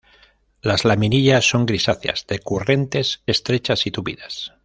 Las laminillas son grisáceas, decurrentes, estrechas y tupidas.